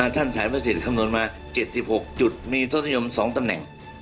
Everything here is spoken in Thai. ฉายพระศิษย์คำนวณมา๗๖จุดมีทศนิยม๒ตำแหน่ง